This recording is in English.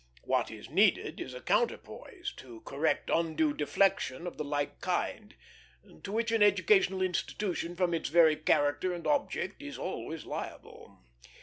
What is needed is a counterpoise, to correct undue deflection of the like kind, to which an educational institution from its very character and object is always liable.